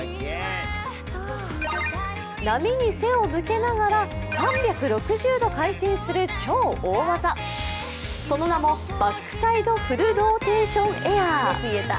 波に背を向けながら３６０度回転する超大技、その名もバックサイド・フルローテーションエアー。